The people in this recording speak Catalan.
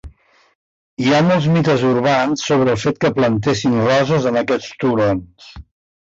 Hi ha molts mites urbans sobre el fet que plantessin roses en aquests turons.